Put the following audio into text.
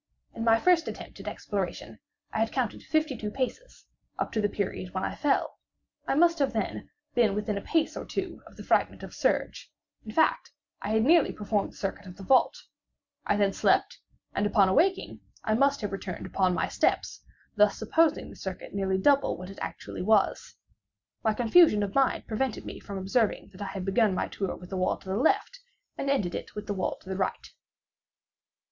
In my first attempt at exploration I had counted fifty two paces, up to the period when I fell; I must then have been within a pace or two of the fragment of serge; in fact, I had nearly performed the circuit of the vault. I then slept—and, upon awaking, I must have returned upon my steps—thus supposing the circuit nearly double what it actually was. My confusion of mind prevented me from observing that I began my tour with the wall to the left, and ended it with the wall to the right.